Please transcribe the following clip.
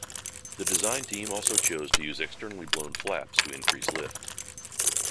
The design team also chose to use externally blown flaps to increase lift.